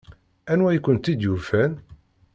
Anwa i kent-id-yufan?